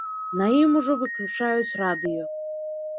На ім ужо выключаюць радыё.